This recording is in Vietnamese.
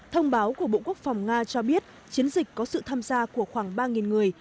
thông báo của bộ quốc phòng nga cho biết chiến dịch có sự tham gia của khoảng ba người